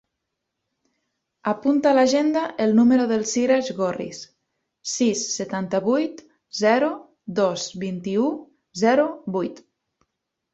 Apunta a l'agenda el número del Siraj Gorriz: sis, setanta-vuit, zero, dos, vint-i-u, zero, vuit.